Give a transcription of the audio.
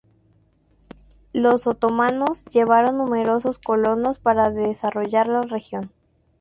Los otomanos llevaron numerosos colonos para desarrollar la región.